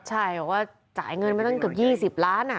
ใช่บอกว่าจ่ายเงินเกือบ๒๐ล้าน